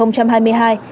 đón xe khách ngọc sơn